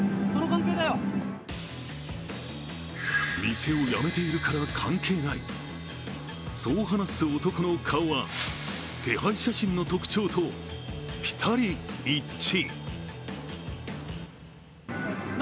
店を辞めているから関係ない、そう話す男の顔は手配写真の特徴とぴたり一致。